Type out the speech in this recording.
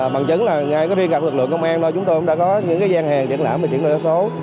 bằng chứng riêng các lực lượng công an chúng tôi đã có những gian hàng diễn lãm về chuyển đổi số